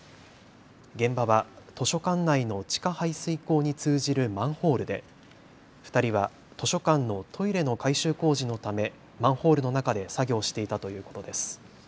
現場は図書館内の地下排水溝に通じるマンホールで２人は図書館のトイレの改修工事のためマンホールの中で作業していたということです。